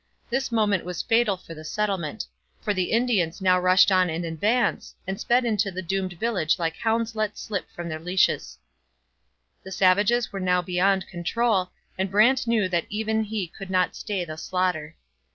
This moment was fatal for the settlement, for the Indians now rushed on in advance and sped into the doomed village like hounds let slip from their leashes. The savages were now beyond control, and Brant knew that even he could not stay the slaughter.